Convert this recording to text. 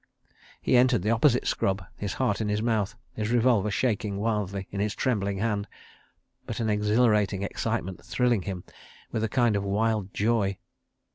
He entered the opposite scrub, his heart in his mouth, his revolver shaking wildly in his trembling hand, but an exhilarating excitement thrilling him with a kind of wild joy.